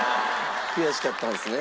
悔しかったんですね。